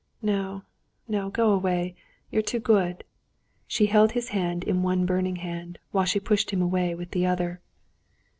No, no, go away, you're too good!" She held his hand in one burning hand, while she pushed him away with the other.